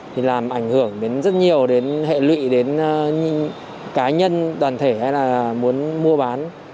thì làm ảnh hưởng đến rất nhiều đến hệ lụy đến cá nhân đoàn thể hay là muốn mua bán